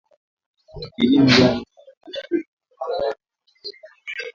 Tukilima bangi Nyeri pekee tutajenga barabara pana na za kisasa mbili katika kila kaunti